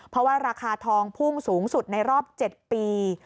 เพราะว่าราคาทองพุ่งสูงสุดในรอบ๗ปี